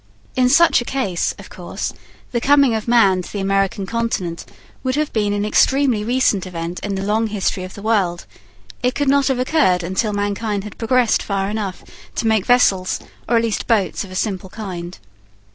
In such a case, of course, the coming of man to the American continent would have been an extremely recent event in the long history of the world. It could not have occurred until mankind had progressed far enough to make vessels, or at least boats of a simple kind.